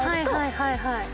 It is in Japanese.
はいはいはいはい。